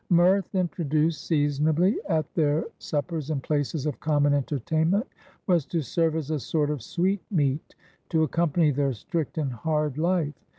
Mirth, introduced seasonably at their sup pers and places of common entertainment, was to serve as a sort of sweetmeat to accompany their strict and hard life.